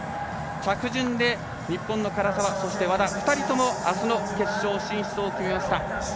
着順で日本の唐澤、和田２人とも、あしたの決勝進出を決めました。